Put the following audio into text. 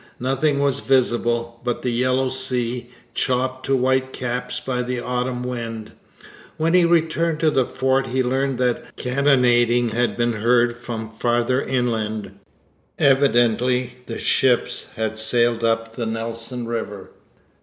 Nothing was visible but the yellow sea, chopped to white caps by the autumn wind. When he returned to the fort he learned that cannonading had been heard from farther inland. Evidently the ships had sailed up the Nelson river.